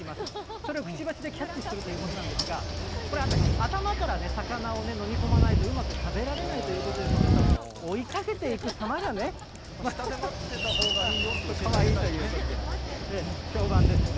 それをくちばしでキャッチするということなんですが、これ、頭から魚を飲み込まないとうまく食べられないということですので、下で待ってたほうがいいよっ評判ですね。